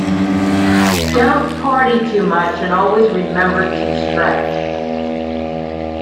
Don't party too much and always remember to stretch.